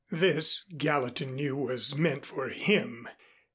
This, Gallatin knew, was meant for him.